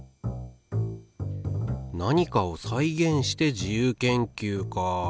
なにかを再現して自由研究か。